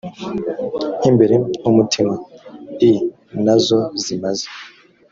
nk imbere h umutini i na zo zimaze